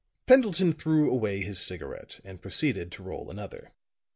Pendleton threw away his cigarette and proceeded to roll another.